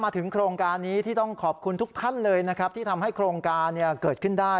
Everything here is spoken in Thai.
ถึงโครงการนี้ที่ต้องขอบคุณทุกท่านเลยนะครับที่ทำให้โครงการเกิดขึ้นได้